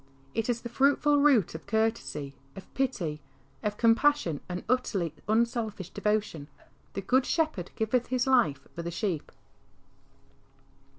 It is the fruitful root of courtesy, of pity, of compassion and utterly unselfish devotion. " The Good Shepherd giveth His life for the sheep."